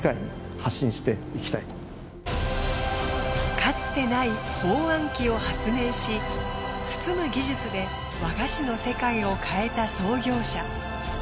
かつてない包あん機を発明し包む技術で和菓子の世界を変えた創業者。